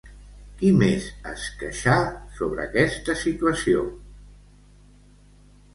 Qui més es queixà sobre aquesta situació?